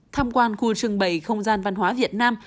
tham quan khu trưng bày không gian văn hóa việt nam